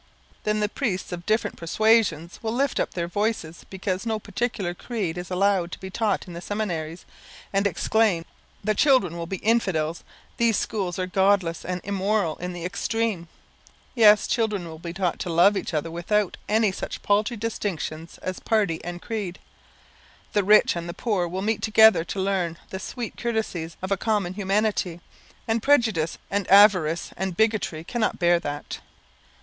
Then the priests of different persuasions lift up their voices because no particular creed is allowed to be taught in the seminaries, and exclaim "The children will be infidels. These schools are godless and immoral in the extreme." Yes; children will be taught to love each other without any such paltry distinctions as party and creed. The rich and the poor will meet together to learn the sweet courtesies of a common humanity, and prejudice and avarice and bigotry cannot bear that.